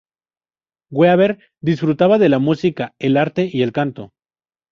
Weaver disfruta de la música, el arte, y el canto.